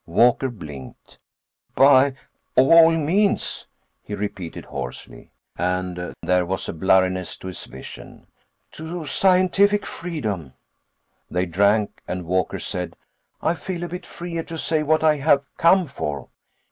Walker blinked. "By all means," he repeated hoarsely, and there was a blurriness to his vision. "To scientific freedom." They drank, and Walker said: "I feel a bit freer to say what I have come for."